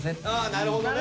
なるほどね。